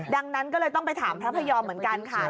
ดังนั้นก็เลยต้องไปถามพระพยอมเหมือนกันค่ะ